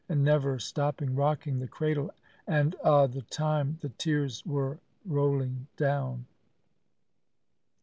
and never stopping rocking the cradle, and a' the time the tears were rolling down."